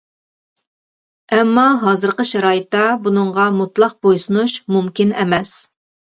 ئەمما ھازىرقى شارائىتتا بۇنىڭغا مۇتلەق بويسۇنۇش مۇمكىن ئەمەس.